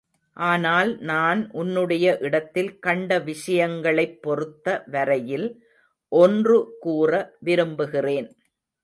ஆனால், நான் உன்னுடைய இடத்தில் கண்ட விஷயங்களைப் பொறுத்த வரையில் ஒன்று கூற விரும்புகிறேன்.